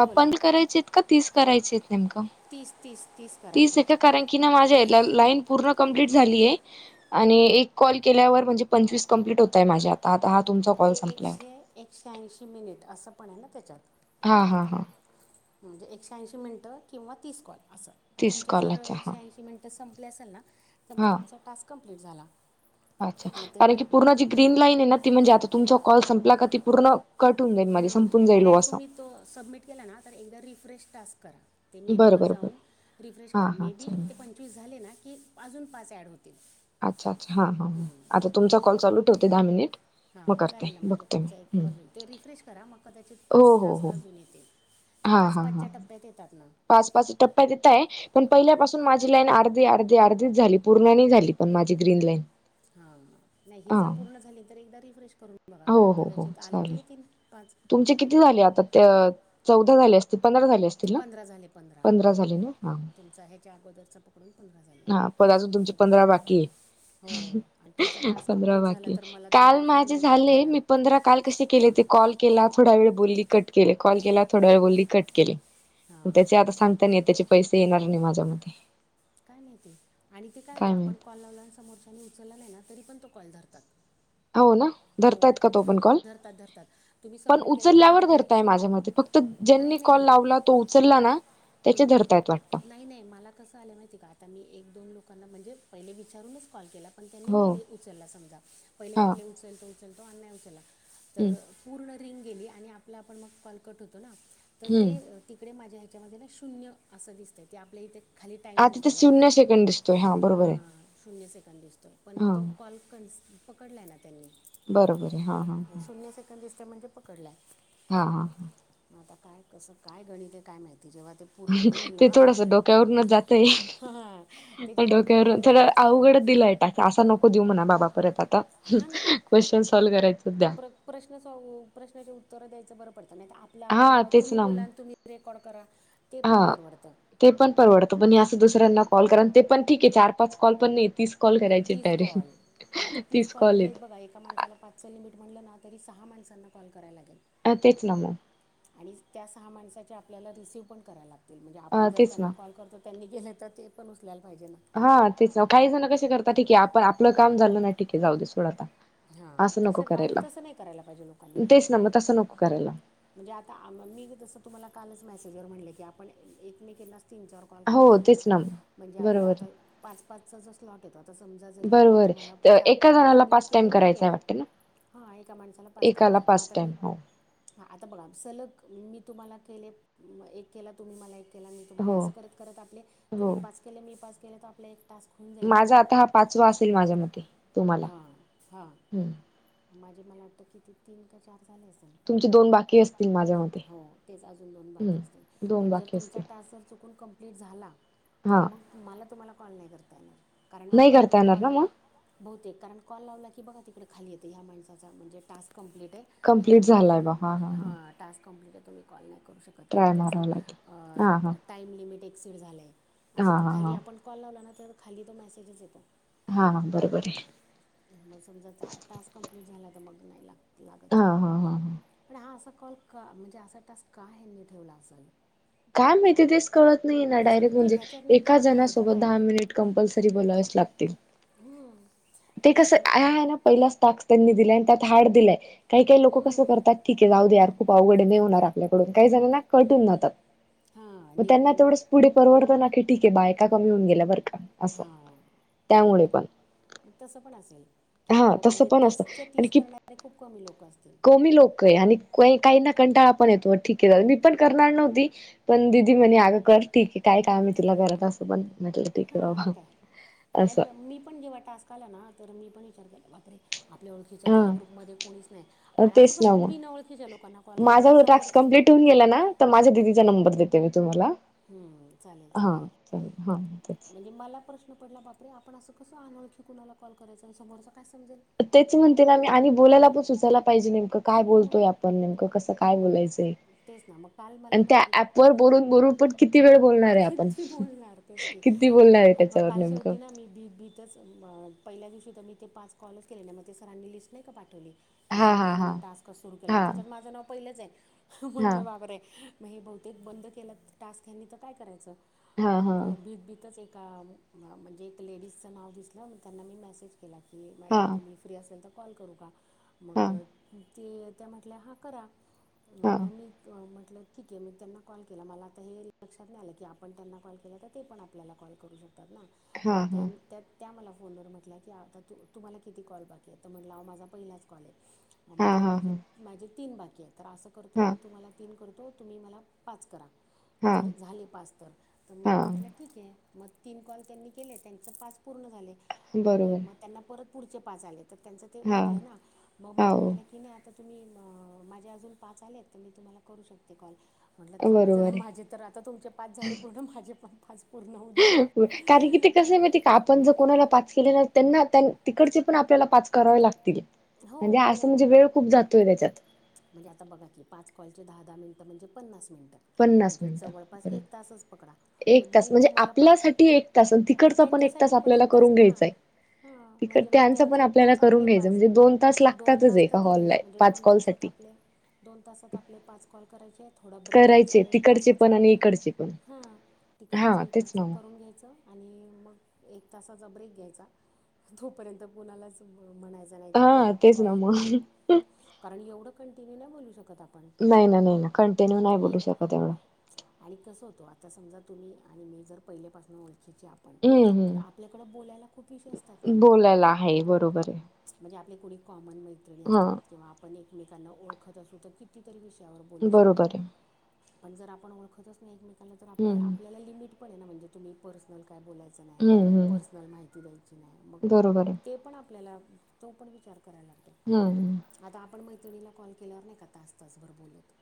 अ पंध करायचे आहेत का तीस करायचे आहेत [unintelligible] ने तीस आहे कारण की, माझ्या या लाईन पूर्ण कंप्लीट झाली आहे आणि एक कॉल केल्यावर म्हणजे पंच्चवीस कम्प्लीट होतय माझ्या आत मग ते एकशे एकशे ऐंशी मिनिट असं पण आहे ना त्याच्यात हा हा हा. म्हणजे एकशे ऐंशी मिनिटं किंवा तीस कॉल असं म तुमचे जर एकशे ऐंशी मिनटं संप ल ना तुमचा टास्क कंप्लीट झाला. अच्छा कारण की पूर्ण जी ग्रीन लाईन आहे ना ती म्हणजे आता तुमचा कॉल संपला का ती पूर्ण तुम्ही तो सबमिट केला ना एक रिफ्रेश टास्क करा मेनूवर जाऊन फ्रेश करा मेबी ते पंच्चवीस झाले ना की अजून पाच ऍड होत अच्छा अच्छा हा हा आता तुमचा कॉल चालू ठेवते दहा मिनिट हा चालेल ना म्हणजे तुमच एक कॉल होईल ते रिफ्रेश करा मग त्या पाच तास काजून येते ते पाच पाचच्या टप्प्यात येतात ना. पास पास टप्प्या तिथं आहे पण पहिल्यापासून माझी लाईन आर्धी, आर्धी, अर्धी, झाली पूर्ण नाही झाली पण माझी ग्रीन लाईन हा नाही ही जर पूर्ण झाली. तर एकदा रिफ्रेश करून हो हो हो चालेल तुमचे, किती झाले आता त चौदा झाले. पंधरा झाले पंधरा हो तुमचा, ह्याच्या अगोदरचा पकडून पंधरा झाले. पदाच तुमचे पंधरा बाकी हे. हो आणि तुमचा टास्क कंप्लीट झाला तर, मला तुम्हाला फोन नाही कर तेजमी पंधरा कॉल, कसे केले ते कॉल, केला थोडा वेळ बोल मी कट केले कॉल केला थोडा वेळ बोललीकट केले मग आता त्याचे पैसे ते येणार नाही माझ्या मधे काय माहिती आणि ते काय होतं आपण कॉल लावला न समोरच्यानी उचललं नाही ना, तरी पण तो कॉल धरतात. हो ना, हे धरात धरात तुम्ही सबमिट केल्यावर, बघा तिकडे ईशू होईल नाही. कॉल लावला तो उचलला ना, हम्म नाही नाही मला कसं आलं माहिती आहे का आता मी एक दोन लोक पण म्हणजे पहिले विचारूनच कॉल केलाण त्यांनी उचला समजा, पहीले म्हटले उलचल तो उचलतो आणि नाई उचला तर पूर्ण रिंग गेली आणि आपला आपण म कॉल कट होत. तना तर ते तिकडे माझ्या ह्याच्यामध्ये ना, शून्य असं दिसतं ते आपल्या इथे आ तिथ शिून्य शेकंडस दिस हा शून्य सेकंड दिसतोय पण मग तो कॉल कंस पकडलाय ना, त्यांनी बरोबर आहे हा हा ह. त्या म्हणजे पकडलाय हा हा हा. आता काय कसं काय गणित, हे काय माहिती ते जेव्हा ते पूर्ण होईल ना, ह हा ते जेव्हा पूर्ण होईल तेव्हाच अवूघड दिला आहे टस अस नको देऊ म्हणा बाबा परत, आता क्वेशचन सल्व करायच. प्रश प्रश्नच औ प्रश्नाचे उत्तरं द्यायच बरं पडतं नाही त आपला आपण बाबा तुम्ही बोला आणि तुम्ही ट्रेन कॉल करा हा, ते पण परवडतं पण असं दुसऱ्यांना कॉल करन ते पण ठीक आहे, चार पाच कॉल पण नाही तीस तीस कॉल आता तीस कॉल म्हणजे, बघा एका माणसाला पाचचं लीमिट म्हटलं ना, तरी सहा माणसांना कॉल करायला लागेल. अ तेच ना म. आणि त्या सहा माणसाचे आपल्याला रिसीव्ह पण करायला लागतील, म्हणजे आपण जर त्यांना कॉल करतो त्यांनी केले तर ते पण उचलायला हा तेच हा काही जण कसे करतात, ठीके आपण आपलं काम झालं ना ठीके जाऊ दे सोड आता. असं नको करायला तेच ना म तसं नको क - - म्हणजे आता मी जस तुम्हाला कालच मेसेजर म्हणले की आपण एकमेकिंना - - तीन चार कॉल करून घेऊ, म्हणजे आपल्या आता पाच पाचचा जो स्लॉट येतो. आता समजा जरी मी एका जणाला पाच टाइम करायचाय वाटत ना. हा एका माणसाला पाच करायचे. मग आता मी आता बघा सलग - - मी तुम्हाला केले. एक केला तुम्ही मला एक त्याला मी तुम्हाला असं करत करत आपले तुम्ही पाच केले मी पाच केलं तर आपलं एक - - टास्क हुल जाईल ना. हा. हम्म. माझे मला वाटतं कि ते तीन का चार- - तुमची दोन बा हो तेच अजून दोन बाकी असतील पण जर तुमचा टास्क जर चुकून - - कंप्लीट झाला, तर मग मला तुम्हाला कॉल नाही करता येणार. कारण आपण तो कॉल बहुतेक कारण कॉल लावला की बघा तिकडे खाली येतयं ह्या माणसाचा म्हणजे टास्क कम्प्लीटाय तर तुम्ही हां टास्क कंप्लीटाय तुम्ही कॉल नाही करू शकत किंवा त्याचं अ टाइम लिमिट एक्सिड झालंय. अशी त खाली आपण कॉल लावला ना तर खाली तो मेसेजच येतो. हा बरोबरयं. मग समजा टास्क कंम्प्लीट झाला तर मग नाही लाग - - हा हा हा हा. कॉल का म्हणजे असा टास्क का हेनी ठेवला असल. काय माहिती तेच कळत नाही ना डायरेक्ट म्हणजे एका जणासोबत दहा मिनिट कंपल्सरी बोलायच. लागतील. हम. ते कसं आहे ना, पहिलाच टास्क त्यांनी दिलाय, आणि त्यात हार्ड दिलाय. काही काही लोक कसं करतात, ठीक आहे जाऊ दे यार खूप अवघड नाही होणार आपल्याकडून काही जणांना कटून राहतात. मग त्यांना तेवढंच पुढे परवडत ना, की ठीक आहे बायका कमी होऊन गेल्या बर अस त्यामुळे पण हा तस पण असत कि, कमी लोक आहे आणि काही ना कंटाळा पण येतो ठीक आहे, मी पण करणार नव्हती पण दिदी म्हणे आगं कर ठीक आहे, काय काम ये तुला. वगैर तस पण. हा मग काय मी पण जेव्हा टास्क आला ना, तर मी पण विचार केला बापरे! आपल्या ओळखीचं त्या ग्रुपमध्ये कोणीच नाही, आणि असं कसं बिन ओळखीच्या लोकांना कॉल करू समोरचं ठेवून गेला ना, तर माझ्या दिदीचा नंबर देते मी तुम्हाला. हम चालेल चालेल, म्हणजे मला प्रश्न पडला बापरे! पण असं कस अनोळखी कुणाला काँल करायचा, आणि समोरचा काय तेच म्हणते ना, मी आणि बोलायला पण सुचायला पाहिजे नेमकं काय बोलतोय, आपण नेमकं कसं काय बोलायचंय? तेच ना. आणि त्या ऍपवर बोलून बोलून पण किती बोलणार तेच की, मग काल शेवटी ना मी भी- भीतच पहिल्या दिवशी तर मी ते पाच कॉलच केले नाही, मग ते सरांनी लिस्ट नाही का पाठवली? की हे नेहनी टास्क सुरू केले आणि त्याच्यात माझं नाव पहिलंच आहे म्हणलं बाब रे मग हे बहुतेक बंद केलं टास्क ह्यानी तर काय करायचं मग भीतभीतच एक का म्हणजे एक लेडीजचं नाव दिसलं मग त्यांना मी मेसेज केला की मॅडम तुम्ही फ्री असेल तर कॉल करू का मग ते त्या म्हटल्या हां करा मम्मी म्ह म्ह ठीक आहे मी त्यांना कॉल केला मला आता हे लक्षात नाही आलं की आपण त्यांना कॉल केला तर ते पण आपल्याला कॉल करू शकतात ना मग त्या त्यात त्या मला फोनवर म्हटलं की आता तू तुम्हाला किती कॉल बाकी आहे तर म्हटलं ह माझा पहिलाच कॉल आहे ग म्हट माझ माझे तीन बाकी आहे तर असं करतो मी तुम्हाला तीन कर तो तुम्ही मला पाच करा जर झाले पाच तर तर मग म्हटलं ठीक आहे मग तीन कॉल त्यांनी केले त्यांच पाच पूर्ण झाले आणि मग त्यांना परत पुढचे पाच आले तर त्यांचं ते वाढलं ना मग मला म्हटलं की नाही आता तुम्ही माझे अजून पाच आले आहेत तर मी तुम्हाला करू शकते कॉल म्हटलं थांबा जरा माझे तर आता तुमचे पाच झाले पूर्ण माझे पण पाच कारण कि ते कसं माहिती का आपण ज कोणाला पा के त्यांना तिकडचे पण आपल्याला पाच करावे लागते म्हणजे असं म्हणजे वेळ खूप जातोय त्याच्यात दहा मिनट म्हणे पन्नास पन्नास मिनटर एक तास म्हणजे आपल्यासाठी एक तास तिकड ण आपल्याून घय त त्यां पण आपल्याला घयच म्हजे द दोन तास तर गेले म्हणजे दोन तासात आप दोन तासात आपले पाच कॉल करायचे थोड करायचे तिकडचे पण आणि इकडचे हा तिकडचं इकडचं करून घ्यायचं आणि मग एक तासाचा ब्रेक घ्यायचा तोपर्यंत कोणालाच म्हणायचा नाही की ह तेसनामा कंिन्यू नाही बोलूको नाही ना नाही ना कंटिन्यू नाही बोलू शकत एवढं आता समजा तुम्ही आणि मी जर पहिल्यापासून ओ तर आपल्याकडे बोलायला खूप विष असतात ना बरोबर आहे आपले कोुणी कॉमन मैत्रिणी असतात किंवा आपण एकमेकांना ओळखत असू तर कितीतरी विषय आपण ओेल्या लम म्हजे तुम्ही पर्सल काय बोलायचं नाही पर्सनल माहिती द्यायची नाही मग ते पण आपल्याला तो पणचार हम् आपण मैत्रिणीला कॉल केल्यावर नाही का तासतच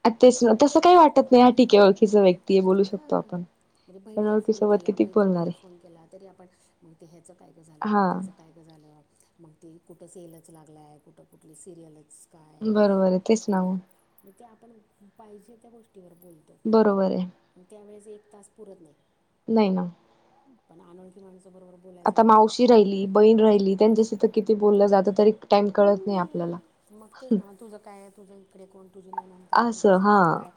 अ तेच तसं काही वाटत नाही ह टीके ओळखीचा व्यक्ती आहे बोलू शकतो आपण म्हणजे बहिणीला फोन केला मैत्रिणीला फोन केला तरी आपण मग ते ह्याच काय ग झालं त्याचं काय ग झालं मग त कुठ सेलच लागलाय कुठं कुठली सिरियलच ते आपण पाहिजे त्या गोष्टीवर बोलतो त्यावेळेस एक तास पुरत नाही नाही ना पण अनोळखी माणस आता मावशी राहिली बहीण राहिली त्यांच्यासथ किती बोललं जात तरी टाइम कळत नाही आपल्याला मग तेच ना तुझं काय आहे तुझ्या इकडे कोण तुझे ननन काय तुझ सासू काय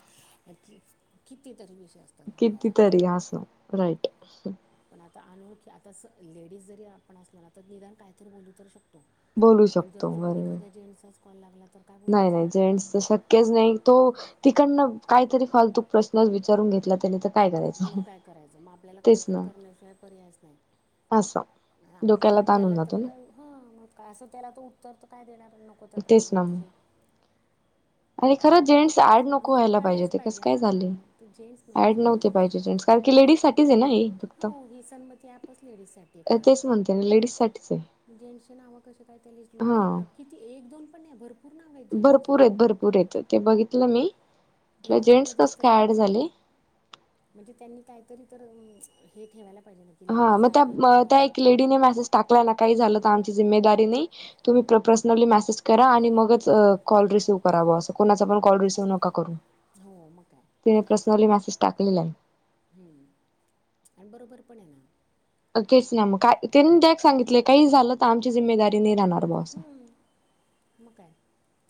किती तरी असं राईट आता अनोळखी आता लेडीज जरी आपण असलो ना तर निदान कायतरी बोलू तर शकत बोलू शकतो बरबर कॉल लागला नाही नाही जेंट्स तर शक्यच नाही तो तिकडन काहीतरी फालतूक प्रश्नच विचारून घेतला त्यानी तर काय करायचं तेच ना पर्याच नाही आपण ते त्याला तर काय ह मग का असं त्याला तर उत्तर काय देणार नको त्या प्रश्नांची आणि खरं जेंट्स ऍड नको व्हायला पाहिजे ते कस काय झाले ऍड नव्हते पाहिजे जेंट्स कारण की लेडीज साठीच आहे ना हे फक्त तेच म्हणते ना लेडीज साठीच आहे जेंट नाव कसे काय त्या लिस्ट आणि किती एक दोन भरपूर आहेत भरपूर आहेत ते बघितलं मी ते लिस्ट मध्येच तर किती आहे म्हणजे त्यांनी काहीतरी तर हे ठेवायला हा मग त्या त्या लेडीने मेसेज टाकलाय ना काही झालं आमची जिम्मेदारी नाही तुम्ही परर्नली म करा कॉल रिसव करा पण कॉल रिसव्ह तिने पर्सनली मॅसेज टाकलेला आहे आणि बरोबर पण आहे ना कच नामु का त्यांनी त्या सांगितले काही झालं तर आमची जिम्ेदारी नाही राहणार भाऊ असं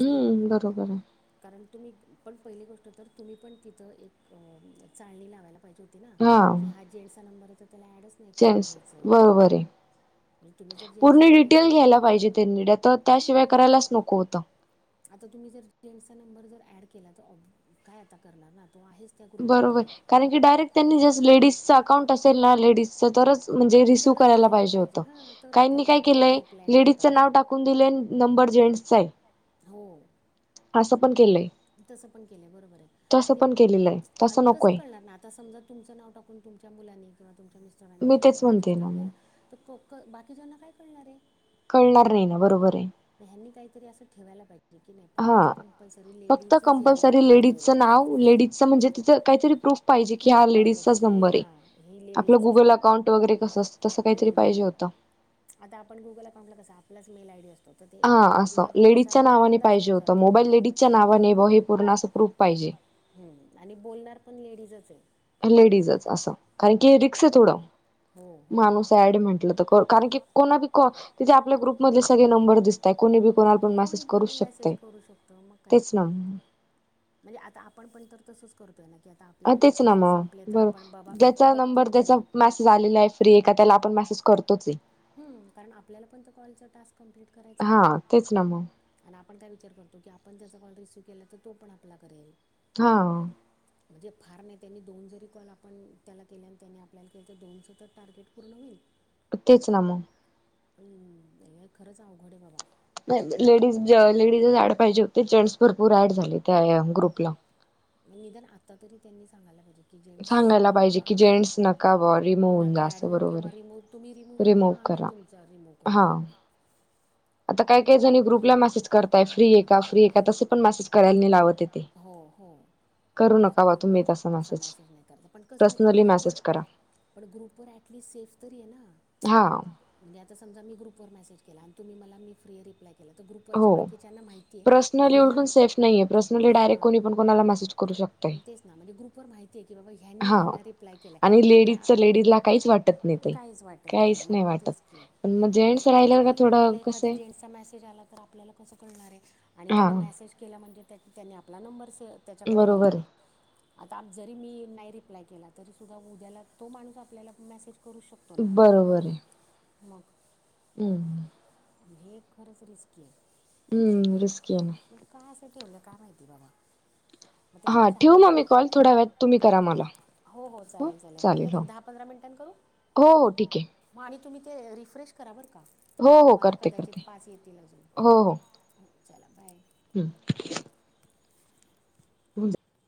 हम्म बरोबर आहे कारण तुम्ही पण पहिली गोष्ट तर तुम्ही पण तिथं एक चाळणी लावाय लाग त्या ज्योतीने हा जेंट्स नंबर स बरोबर आहे पूर्ण डिटेल घ्यायला पाहिजे त्यांड तर त्याशिवाय करायलाच नको होत आता तुम्ही जर जेंट्सचा नंबर जर ॲड केला तर ऑब काय आता करणार ना बरो कारण की डायरेक्ट त्यां डीज अकाउंट असे म्ह व करायला काय केय लेडीज नाव टाूने निचे असं पण केलंय तसं पण केलेलं आहे आणि कसं कळणार ना आता समजा तुमचं नाव टाकून तुमच्या मुलांनी किंवा स्टरांनी रजिस्टर के तर बाकीच्याना काय कळणार आहे कळणार नाही ना बरोबर आहे ठेवायला पाहिजे की हा फक्त कंपल्सरी लेडीजचं नाव लेडीजच म्हणजे ति काहीतरी प्रूफ पाहिजे की हा लेडीजचाच नंबर आहे आपलं गुगल अकाउंट वगैरे कस असतं तस काहीतरी पाहिजे होत आता आपण गुगलला आपटलं कस आपलाच मेल आयडी असतो हा असं लेडीजच्या नावाने पाहिजे होतं मोबाईल लेडीजच्या नावाने मोबाईल हे पूर्ण असं प्रूफ पाहिजे हम्म आणि बोलणार पण लेडीज. लेडीजच असं, कारण की रिक्स आहे थोडं. माणूस ऍड म्हंटलं तर कारण की कोणाप तिचे आपल्या ग्रुप मधले सगळे नंबर दिसत कोणी बी कोणाला पण मेसेज करूच शकते, तेच ना. म्हणजे आता आपण पण तर तसच करतोय ना की आता आपल्या ओळखीचे संपले तर आपण बाबा बघतो तरी ले आहे फ्री त्या आपण मेसेज करतोच आहे. हम्, कारण आपल्याला पण कॉलच टास्क कमप्लीट करायचंय. हा तेच न. आपण काय विचार करतो की आपण त्याचा कॉल रिसीव्ह केला तर तो पण आपला करेल. हा. म्हणजे फार नाही त्यांनी दोन जरी कॉल आपण त्याला केले आणि त्यांनी आपल्याला दोनचं तर टार्गेट पूर्ण होईल. तेच ना मग. हम्म, नाही खरंच अवघड आहे बाबा. लेडीज लेडीजच ऍड पाहिजे होते जेंट्स भरपूर ऍड झाले त्या ग्रुपला. निधान आता तरी त्यांनी सांगायला पाहिजे. सांगायला पाहिजे की जेंट्स नका बॉ रिमूव होऊन जा असं बरोबर आहे. रिमूव व्हा किंवा आम्ही तुमचा वर रिमूव करतो. आता काय काय जणी ग्रुपला मेसेज य फ्री ए का फ्री आहे त पण मेसेज करायला नाही लावत आहे ते. तस पण तसा मेसेज नाही करत पण कसं माहिती ग्रुप व पण ग्रुप वर ऍटलिस्ट सेफ तरी आहे ना. हा. आता समाजा मी ग्रपवर मेसेज केला आणि तुम्ही मला मी फ्री रिप्लाय केलं तर ग्रुपवरच्या पर्सनली उलटून सेफ नाहीय पर्सनली डायरेक्ट कोणी पण कोणाला मेसेज करू शकत. ग्रुपर माहिती की बाबा ह्यांनी ह्यांना रिप्लाय केलाय म काहीच वाटत नाही मग. आणि त्यांनी मेसेज केला म्हणण्यावर त्यांनी आपला नंबर त्याच्याकडे गेला, आता जरी मी नाही अप्लाय केला तरी सुद्धा उद्याला तो माणूस आपल्याला मेसेज बरोबर आहे. मग? हम्. हे खरंच रिस्की आहे. हम्म रिस्कि आहे. ठेवलं काय माहिती आहे बाबा. हा, ठेवू म मी कॉल थोड्या वेळात तुम्ही करा मला. हो हो, चालेल चालेल का एक दहा-पंधरा मिनिटां करू आणि तुम्ही ते रिफ्रेश करा बरं का. तुम्हाला कदाचित पाच येतील अजून, चला बाय. होऊ